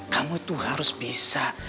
kamu tuh harus bisa